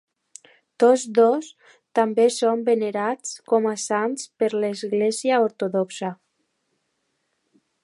Tots dos també són venerats com a sants per l'Església Ortodoxa.